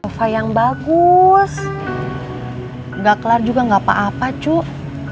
sofa yang bagus enggak kelar juga enggak apa apa cuk